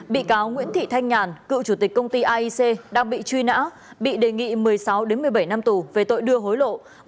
bị cáo nguyễn thị thanh nhàn cựu chủ tịch công ty aic đang bị truy nã bị đề nghị một mươi sáu một mươi bảy năm tù về tội đưa hối lộ